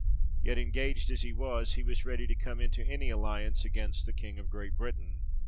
Yet engaged as he was, he was ready to come into any alliance against the King of Great Britain.